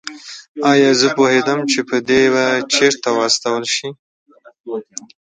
ایا زه پوهېدم چې دی به چېرې واستول شي؟